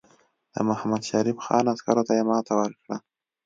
د محمدشریف خان عسکرو ته یې ماته ورکړه.